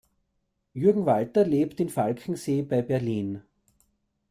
Jürgen Walter lebt in Falkensee bei Berlin.